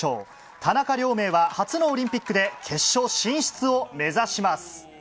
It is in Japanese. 田中亮明は初のオリンピックで決勝進出を目指します。